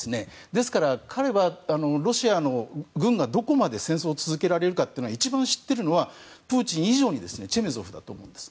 ですから、ロシアの軍がどこまで戦争を続けられるかを一番知っているのはプーチン以上にチェメゾフだと思います。